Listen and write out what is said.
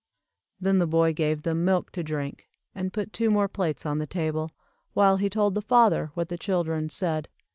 Then the boy gave them milk to drink, and put two more plates on the table, while he told the father what the children said.